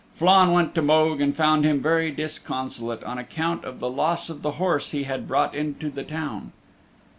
Flann went to Mogue and found him very disconsolate on account of the loss of the horse he had brought into the town.